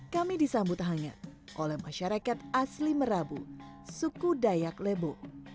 kami disambut hangat oleh masyarakat asli merabu suku dayak lebo